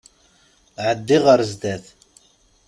Ɛeddi ɣer zdat!